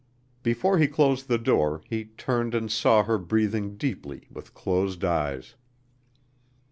Before he closed the door he turned and saw her breathing deeply with closed eyes.